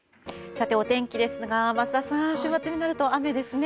さて、お天気ですが桝田さん週末になると雨ですね。